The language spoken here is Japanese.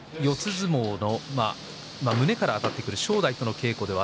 相撲の胸からあたってくる正代との稽古です。